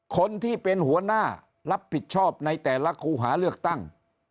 คนที่เป็นหัวหน้ารับผิดชอบในแต่ละคู่หาเลือกตั้ง